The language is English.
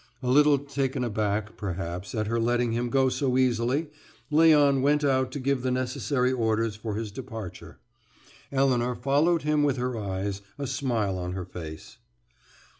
A little taken aback, perhaps, at her letting him go so easily, Léon went out to give the necessary orders for his departure. Elinor followed him with her eyes, a smile on her face.